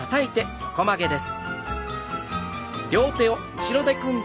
横曲げです。